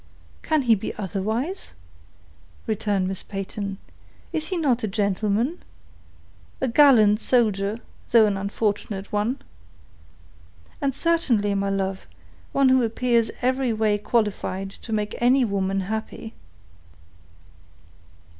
"Can he be otherwise?" returned Miss Peyton. "Is he not a gentleman?—a gallant soldier, though an unfortunate one? and certainly, my love, one who appears every way qualified to make any woman happy."